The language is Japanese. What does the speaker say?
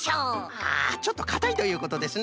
あちょっとかたいということですな。